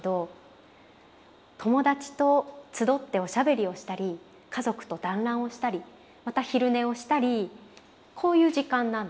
友達と集っておしゃべりをしたり家族と団欒をしたりまた昼寝をしたりこういう時間なんですよね。